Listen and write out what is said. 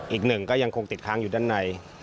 อีกหนึ่งก็ยังคงติดค้างอยู่ด้านใน